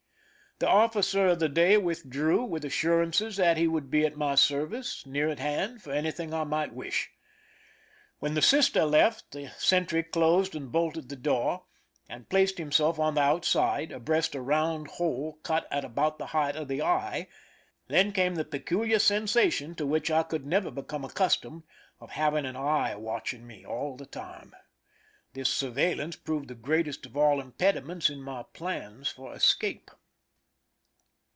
The officer of the day withdrew, with assurances that he would be at my service, near at hand, for anything I might wish. When the sister left, the sentry closed and bolted the door, and placed him self on the outside, abreast a round hole cut at about the height of the eye ; then came the peculiar sensation, to which I could never become accus tomed, of having an eye watching me all the time. This surveillance proved the greatest of all impedi ments in my plans for escape.